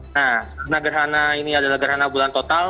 nah karena gerhana ini adalah gerhana bulan total